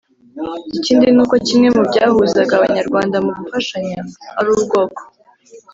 Ikindi ni uko kimwe mu byahuzaga Abanyarwanda mu gufashanya, ari ubwoko